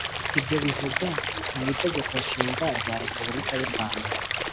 ibyo bivugwa mu itegeko nshinga rya republika y’u rwanda,